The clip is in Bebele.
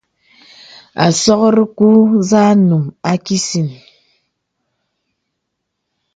Àsɔkri kù za num a kísìn.